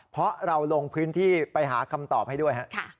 เพราะเราลงพื้นที่ไปหาคำตอบให้ด้วย